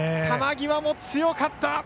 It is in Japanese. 球際も強かった。